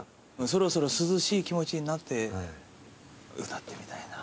そろそろ涼しい気持ちになって歌ってみたいな。